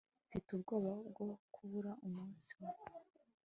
Mfite ubwoba bwo kubura umunsi umwe